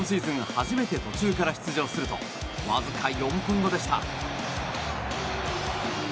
初めて途中から出場するとわずか４分後でした。